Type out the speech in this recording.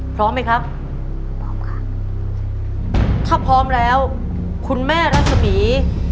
พร้อมไหมครับพร้อมค่ะถ้าพร้อมแล้วคุณแม่รัศมี